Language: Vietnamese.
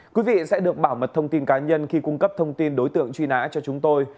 quý vị sẽ được bảo mật thông tin cá nhân khi cung cấp thông tin đối tượng truy nã cho chúng tôi